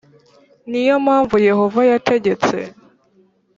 ni yo mpamvu yehova yategetse